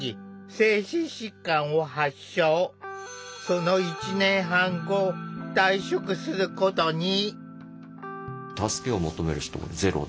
その１年半後退職することに。